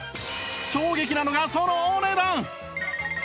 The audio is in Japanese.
衝撃なのがそのお値段！